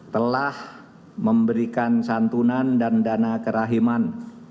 telah memberikan santunan dan dana kerahiman